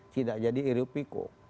tidak jadi irupiko